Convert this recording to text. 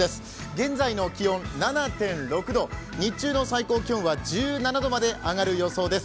現在の気温、７．６度、日中の最高気温は１７度まで上がる予想です。